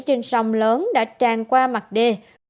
trên sông lớn đã tràn qua mặt đê